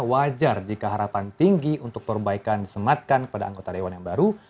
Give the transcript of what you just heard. wajar jika harapan tinggi untuk perbaikan disematkan pada anggota dewan yang baru